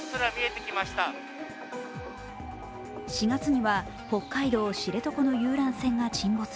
４月には北海道・知床の遊覧船が沈没。